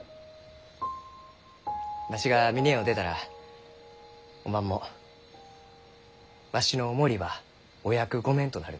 わしが峰屋を出たらおまんもわしのお守りはお役御免となる。